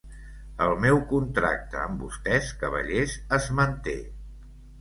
El meu contracte amb vostès, cavallers, es manté!